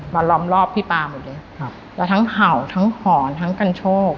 ล้อมรอบพี่ปลาหมดเลยครับแล้วทั้งเห่าทั้งหอนทั้งกันโชค